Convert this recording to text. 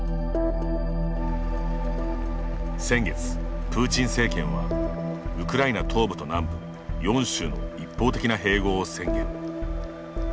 先月、プーチン政権はウクライナ東部と南部４州の一方的な併合を宣言。